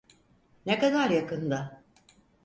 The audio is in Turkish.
Ne kadar yakında?